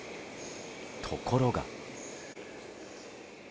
ところが。